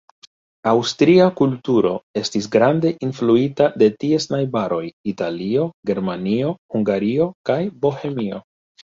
Aŭstria kulturo estis grande influita de ties najbaroj, Italio, Germanio, Hungario kaj Bohemio.